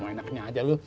seenaknya aja lu